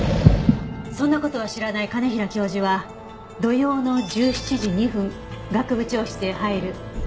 そんな事は知らない兼平教授は土曜の１７時２分学部長室へ入る。